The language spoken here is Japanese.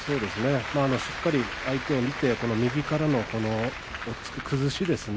しっかり相手を見て右からの崩しですね。